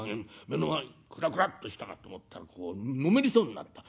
目の前くらくらっとしたかと思ったらこうのめりそうになった。